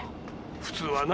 普通はな。